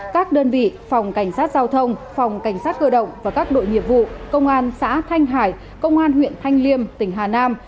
các đơn vị phòng cảnh sát giao thông phòng cảnh sát cơ động và các đội nghiệp vụ công an xã thanh hải công an huyện thanh liêm tỉnh hà nam